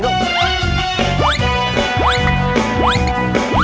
มีเอวไหมวะ